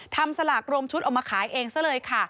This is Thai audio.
สลากรวมชุดออกมาขายเองซะเลยค่ะ